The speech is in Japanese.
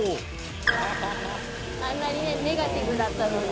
「あんなにねネガティブだったのに」